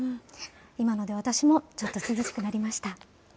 今ので私も、ちょっと涼しくなりました。